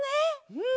うん！